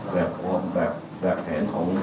แบบแผนของรูปแบบที่เขาทำกันอยู่